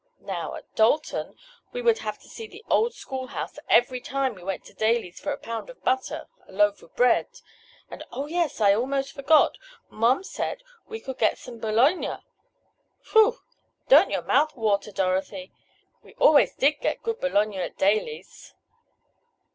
Now, at Dalton, we would have to see the old schoolhouse every time we went to Daly's for a pound of butter, a loaf of bread—and oh, yes! I almost forgot! Mom said we could get some bologna. Whew! Don't your mouth water, Dorothy? We always did get good bologna at Daly's!"